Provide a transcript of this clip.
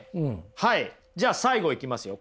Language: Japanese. はいじゃあ最後いきますよ。